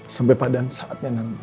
sampai pada saatnya nanti